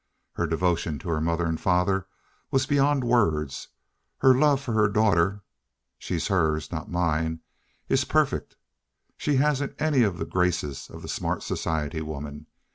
Her devotion to her mother and father was beyond words. Her love for her daughter—she's hers, not mine—is perfect. She hasn't any of the graces of the smart society woman.